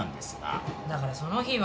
だからその日は。